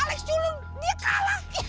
alex culun dia kalah